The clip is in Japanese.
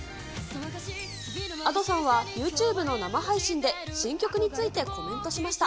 Ａｄｏさんはユーチューブの生配信で、新曲についてコメントしま